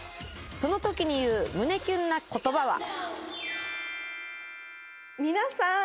その時に言う胸キュンな言葉は？